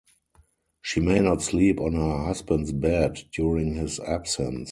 She may not sleep on her husband's bed during his absence.